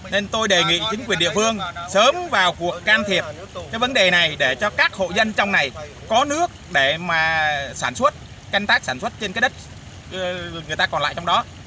nên tôi đề nghị chính quyền địa phương sớm vào cuộc can thiệp cái vấn đề này để cho các hộ dân trong này có nước để mà sản xuất canh tác sản xuất trên cái đất người ta còn lại trong đó